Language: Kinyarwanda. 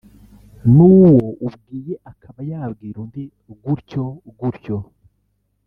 n’uwo ubwiye akaba yabwira undi gutyo gutyo